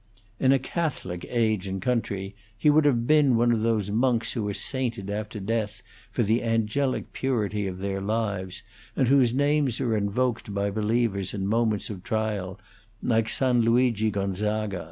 In a Catholic age and country, he would have been one of those monks who are sainted after death for the angelic purity of their lives, and whose names are invoked by believers in moments of trial, like San Luigi Gonzaga.